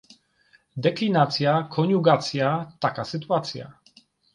Deklinacja, koniugacja, taka sytuacja.